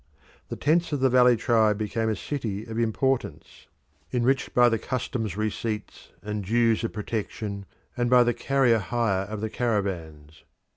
The tents of the valley tribe became a city of importance, enriched by the customs receipts and dues of protection, and by the carrier hire of the caravans.